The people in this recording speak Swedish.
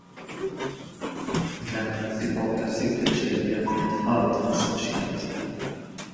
Han lämnade tillbaka cykelkedja med alldeles för sent.